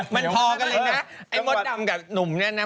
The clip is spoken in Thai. มันพอกันเลยนะไอ้มดดำกับหนุ่มเนี่ยนะ